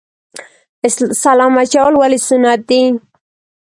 سلام اچول ولې سنت دي؟